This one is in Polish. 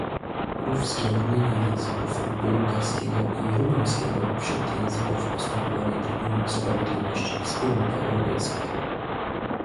Uwzględnienie języków bułgarskiego i rumuńskiego wśród języków postępowania Trybunału Sprawiedliwości Wspólnot Europejskich